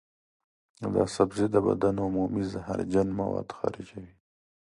دا سبزی د بدن عمومي زهرجن مواد خارجوي.